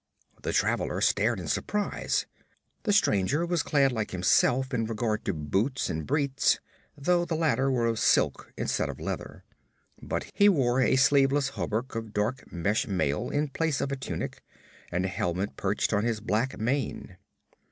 The traveler stared in surprise. The stranger was clad like himself in regard to boots and breeks, though the latter were of silk instead of leather. But he wore a sleeveless hauberk of dark mesh mail in place of a tunic, and a helmet perched on his black mane.